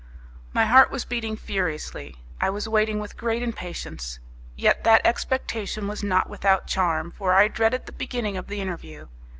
My heart was beating furiously; I was waiting with great impatience; yet that expectation was not without charm, for I dreaded the beginning of the interview.